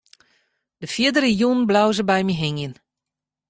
De fierdere jûn bleau se by my hingjen.